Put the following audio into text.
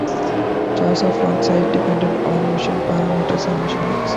Choice of launch site depended on mission parameters and mission goals.